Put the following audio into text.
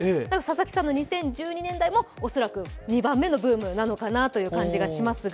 佐々木さんの２０１２年代も２番目のブームなのかなという気がしますが